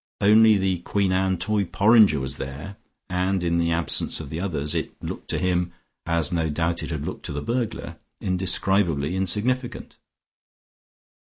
Only the Queen Anne toy porringer was there, and in the absence of the others, it looked to him, as no doubt it had looked to the burglar, indescribably insignificant.